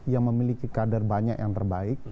yang memiliki kader banyak yang terbaik